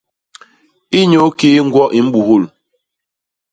Inyukii ñgwo i mbuhul?